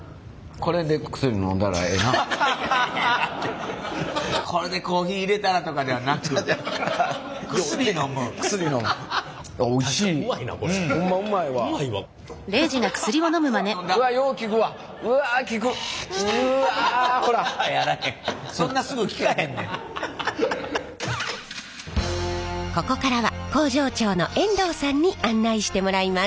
ここからは工場長の遠藤さんに案内してもらいます。